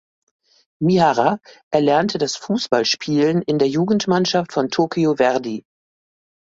Mihara erlernte das Fußballspielen in der Jugendmannschaft von Tokyo Verdy.